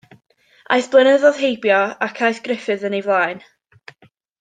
Aeth blynyddoedd heibio, ac aeth Gruffydd yn ei flaen.